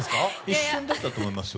一瞬だったと思いますよ